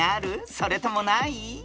それともない？］